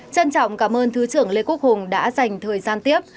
trân trọng cảm ơn thứ trưởng lê quốc hùng đã dành thời gian tiếp